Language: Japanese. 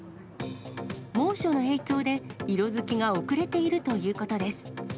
猛暑の影響で、色づきが遅れているということです。